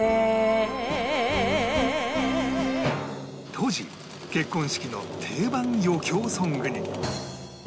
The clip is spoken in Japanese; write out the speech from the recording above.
当時結婚式の定番余興ソングに